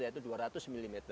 yaitu dua ratus mm